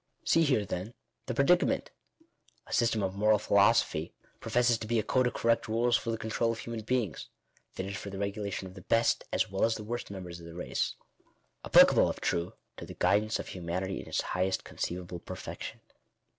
See here then the predicament. A system of moral philo sophy professes to be a code of correct rules for the control of human beings — fitted for the regulation of the best, as well as the worst members of the race — applicable, if true, to the guid ance of humanity in its highest conceivable perfection.